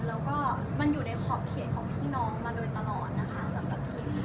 แล้วก็มันอยู่ในขอบเขตของพี่น้องมาโดยตลอดนะคะสรรคี